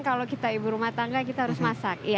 kalau kita ibu rumah tangga kita harus masak